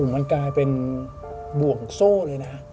มันกลายเป็นบ่วงโซ่เลยนะ